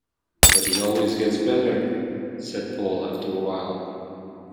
“But he always gets better,” said Paul after a while.